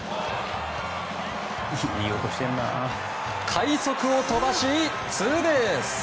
快足を飛ばしツーベース。